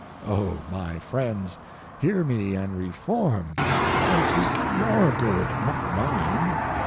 O my friends, hear me and reform! I seek your good, not mine.